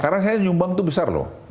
karena saya nyumbang itu besar loh